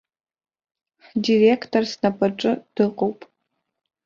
Ҳдиреқтор снапаҿы дыҟоуп.